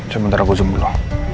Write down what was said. sebentar aku zoom dulu